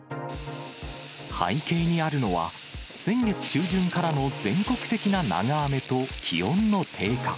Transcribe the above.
背景にあるのは、先月中旬からの全国的な長雨と、気温の低下。